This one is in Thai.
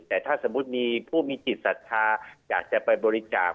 แต่ถ้าสมมุติมีผู้มีจิตศรัทธาอยากจะไปบริจาค